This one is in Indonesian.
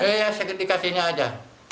iya dikasihnya aja